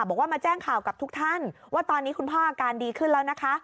บอกว่ามาแจ้งข่าวกับทุกท่านว่าตอนนี้คุณพ่ออาการดีขึ้นแล้วนะคะ